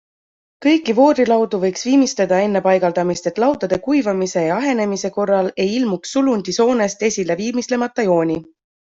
Kõiki voodrilaudu võiks viimistleda enne paigaldamist, et laudade kuivamise ja ahenemise korral ei ilmuks sulundisoonest esile viimistlemata jooni.